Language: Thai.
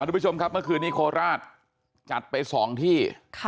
ทุกผู้ชมครับเมื่อคืนนี้โคราชจัดไป๒ที่